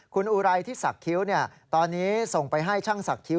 คุณอุไรที่สักคิ้วตอนนี้ส่งไปให้ช่างศักดิ้